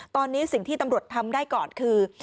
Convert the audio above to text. ตอนนี้สิ่งที่ตำรวจทำได้ก่อนคือ